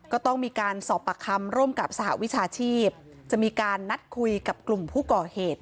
ก็ต้องมีการสอบปากคำร่วมกับสหวิชาชีพจะมีการนัดคุยกับกลุ่มผู้ก่อเหตุ